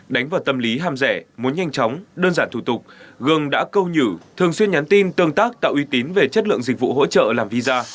đánh vào tâm lý ham rẻ muốn nhanh chóng đơn giản thủ tục gương đã câu nhử thường xuyên nhắn tin tương tác tạo uy tín về chất lượng dịch vụ hỗ trợ làm visa